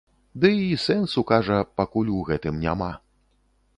Ды і сэнсу, кажа, пакуль у гэтым няма.